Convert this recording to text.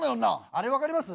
あれ分かります？